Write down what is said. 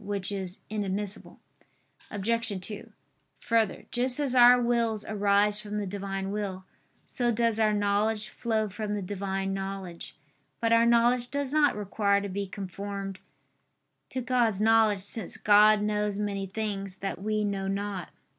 Which is inadmissible. Obj. 2: Further, just as our wills arise from the Divine will, so does our knowledge flow from the Divine knowledge. But our knowledge does not require to be conformed to God's knowledge; since God knows many things that we know not.